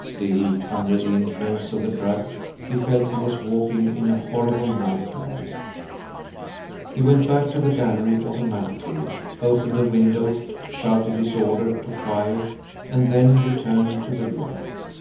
Still under the influence of the drug, he felt he was walking in a horrible nightmare. He went back to the gallery automatically, opened a window, shouted his order to fire, and then returned to the room.